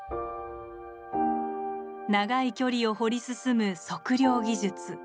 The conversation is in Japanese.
長い距離を掘り進む測量技術。